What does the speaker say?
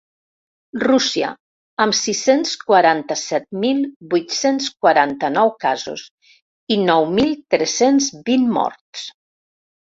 Rússia, amb sis-cents quaranta-set mil vuit-cents quaranta-nou casos i nou mil tres-cents vint morts.